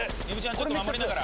ちょっと守りながら。